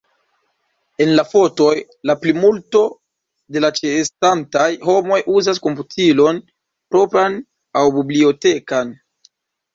En la fotoj, la plimulto de la ĉeestantaj homoj uzas komputilon propran aŭ bibliotekan.